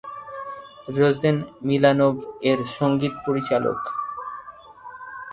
Rosen মিলানোভ এর সঙ্গীত পরিচালক।